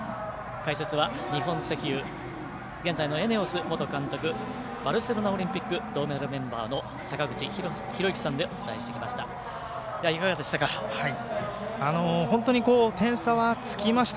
解説は日本石油現在のＥＮＥＯＳ元監督バルセロナオリンピック銅メダルメンバーの坂口裕之さんでお伝えしてきました。